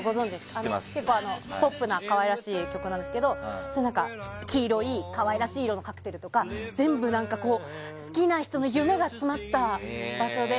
ポップな可愛らしい曲なんですけど黄色い可愛らしい色のカクテルとか好きな人の夢が詰まった場所で。